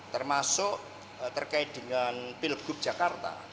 termasuk terkait dengan pilgub jakarta